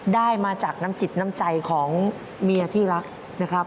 ได้มาจากน้ำจิตน้ำใจของเมียที่รักนะครับ